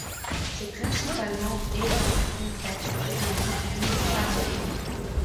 C'est principalement vrai dans des contextes ironiques ou satiriques.